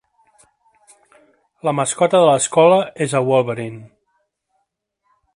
La mascota de l'escola és el Wolverine.